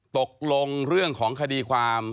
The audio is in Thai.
ตกลงเรื่องของคดีความ